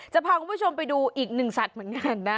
จะพาคุณผู้ชมไปดูอีกหนึ่งสัตว์เหมือนกันนะ